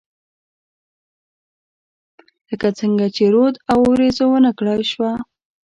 لکه څنګه چې رود او، اوریځو ونه کړای شوه